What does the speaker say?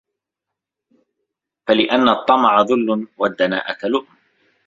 فَلِأَنَّ الطَّمَعَ ذُلٌّ وَالدَّنَاءَةَ لُؤْمٌ